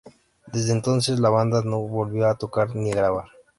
Desde entonces la banda no volvió a tocar ni a grabar.